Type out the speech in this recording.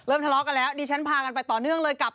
ทะเลาะกันแล้วดิฉันพากันไปต่อเนื่องเลยกับ